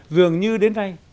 dường như đến nay